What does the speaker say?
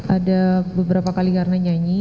ada beberapa kali karena nyanyi